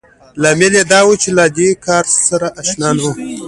لامل يې دا و چې له دې کار سره نااشنا وو.